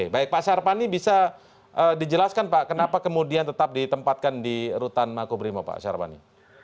baik pak syarpani bisa dijelaskan pak kenapa kemudian tetap ditempatkan di rutan makobrimo pak syarpani